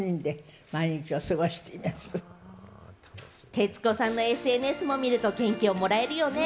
徹子さんのＳＮＳを見ると、元気をもらえるよね。